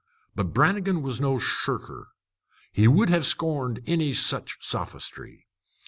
But Brannigan was no shirker. He would have scorned any such sophistry.